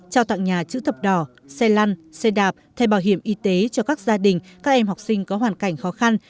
trao tặng nhà chữ thập đỏ xe lăn xe đạp thay bảo hiểm y tế cho các gia đình các em học sinh có hoàn cảnh khó khăn